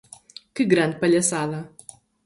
Que grande palhaçada.